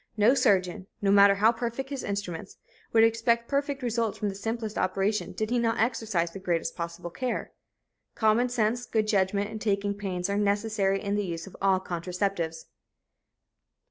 No surgeon, no matter how perfect his instruments, would expect perfect results from the simplest operation did he not exercise the greatest possible care. Common sense, good judgment and taking pains are necessary in the use of all contraceptives.